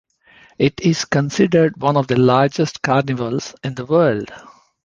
It is considered one of the largest carnivals in the world.